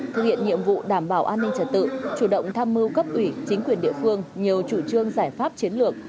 thực hiện nhiệm vụ đảm bảo an ninh trật tự chủ động tham mưu cấp ủy chính quyền địa phương nhiều chủ trương giải pháp chiến lược